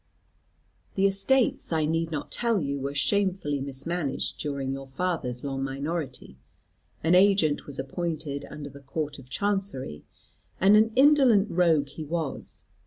"The estates, I need not tell you, were shamefully mismanaged, during your father's long minority. An agent was appointed under the Court of Chancery, and an indolent rogue he was.